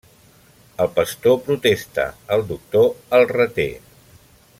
El pastor protesta, el doctor el reté.